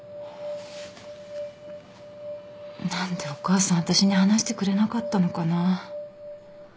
何でお母さんわたしに話してくれなかったのかな。